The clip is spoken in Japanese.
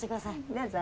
どうぞ。